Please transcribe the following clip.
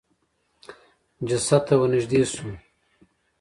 جسد د ته ورنېږدې شو.